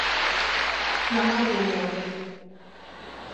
La madre muore.